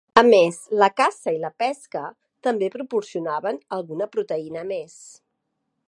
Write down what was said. A més la caça i la pesca també proporcionaven alguna proteïna més.